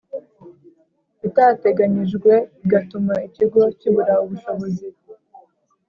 itateganyijwe igatuma Ikigo kibura ubushobozi